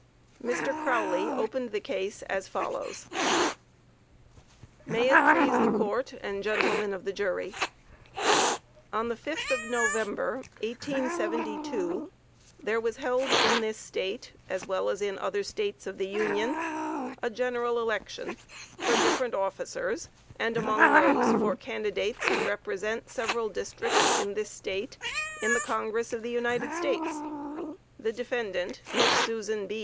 MR. CROWLEY opened the case as follows: May it please the Court and Gentlemen of the Jury: On the 5th of November, 1872, there was held in this State, as well as in other States of the Union, a general election for different officers, and among those, for candidates to represent several districts of this State in the Congress of the United States. The defendant, Miss Susan B.